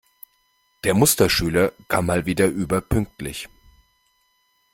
Der Musterschüler kam mal wieder überpünktlich.